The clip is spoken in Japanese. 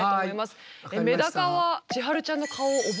メダカはちはるちゃんの顔を覚えてるんでしょうか？